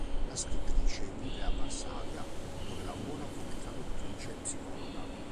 La scrittrice vive a Varsavia, dove lavora come traduttrice e psicologa.